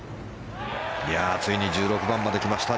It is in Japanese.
ついに１６番まで来ました。